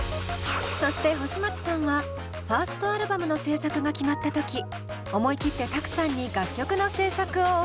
そして星街さんはファーストアルバムの制作が決まった時思い切ってＴＡＫＵさんに楽曲の制作をオファー。